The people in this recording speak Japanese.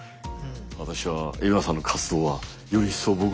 私は海老名さんの活動はより一層僕もね